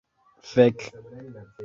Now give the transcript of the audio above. Fek.